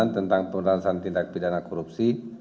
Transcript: tentang pemberantasan tindak pidana korupsi